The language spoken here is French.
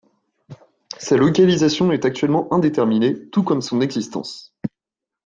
Sa localisation est actuellement indéterminée, tout comme son existence.